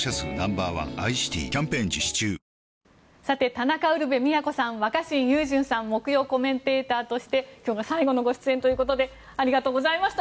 田中ウルヴェ京さん若新雄純さん木曜コメンテーターとして今日が最後のご出演ということでありがとうございました。